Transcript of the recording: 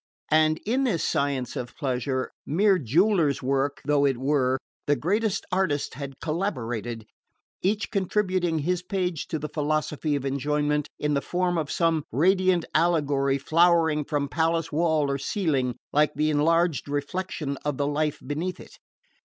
And in this science of pleasure mere jeweller's work though it were the greatest artists had collaborated, each contributing his page to the philosophy of enjoyment in the form of some radiant allegory flowering from palace wall or ceiling like the enlarged reflection of the life beneath it.